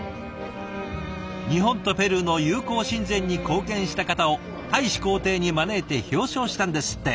日本とペルーの友好親善に貢献した方を大使公邸に招いて表彰したんですって。